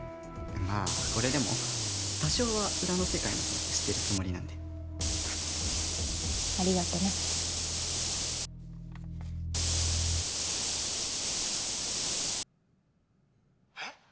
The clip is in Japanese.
まあこれでも多少は裏の世界のこと知ってるつもりなんでありがとねえっ！？